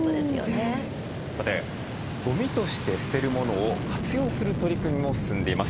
さてゴミとして捨てるものを活用する取り組みも進んでいます。